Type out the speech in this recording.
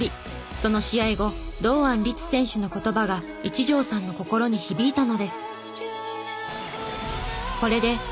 その試合後堂安律選手の言葉が一条さんの心に響いたのです。